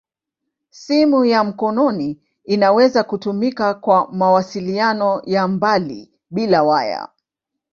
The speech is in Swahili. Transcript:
Simu ya mkononi inaweza kutumika kwa mawasiliano ya mbali bila waya.